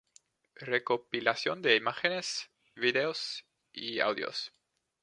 Recopilación de imágenes, vídeos y audios.